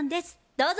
どうぞ。